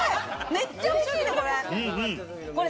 めっちゃおいしいね、これ。